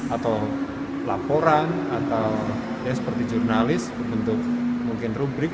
atau laporan atau ya seperti jurnalis untuk mungkin rubrik